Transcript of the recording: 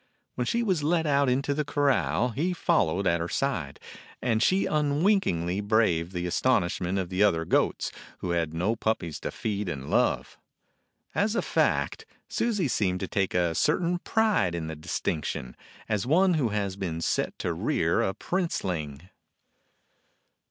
When she was let out into the corral he followed at her side, and she unwinkingly braved the astonishment of the other goats, who had no puppies to feed and love. As a fact, Susie seemed to take a certain pride in the distinction, as one who has been set to rear a princeling.